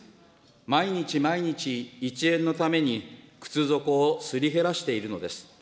毎日毎日、一円のために、すり減らしているのです。